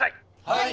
はい！